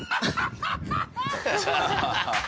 ハハハハ！